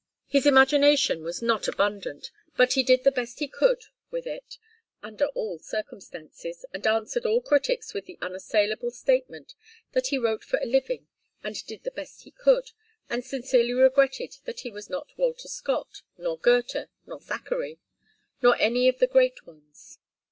His imagination was not abundant, but he did the best he could with it under all circumstances, and answered all critics with the unassailable statement that he wrote for a living and did the best he could, and sincerely regretted that he was not Walter Scott, nor Goethe, nor Thackeray, nor any of the great ones.